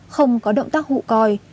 không có động tác hụ coi